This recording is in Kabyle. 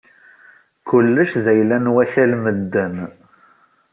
Kullec d ayla n wakk medden.